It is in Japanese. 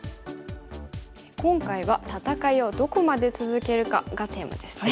今回は「戦いをどこまで続けるか」がテーマですね。